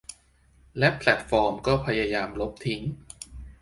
และแพลตฟอร์มก็พยายามลบทิ้ง